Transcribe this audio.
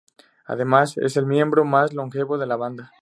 Además es el miembro más longevo de la banda.